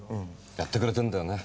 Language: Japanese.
やってくれてんだよね。